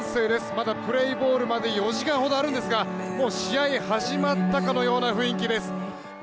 まだプレーボールまで４時間ほどあるんですがもう試合、始まったかのような雰囲気です。